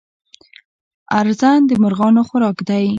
ارزن د مرغانو خوراک دی.